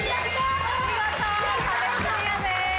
見事壁クリアです。